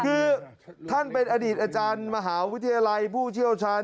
คือท่านเป็นอดีตอาจารย์มหาวิทยาลัยผู้เชี่ยวชาญ